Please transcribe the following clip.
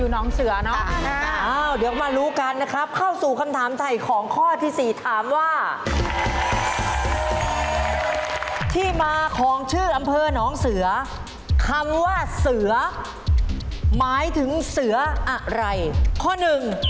น้องเสือค่ะอยู่น้องเสือเนอะค่ะ